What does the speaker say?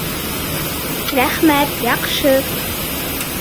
Рәхмәт, яҡшы!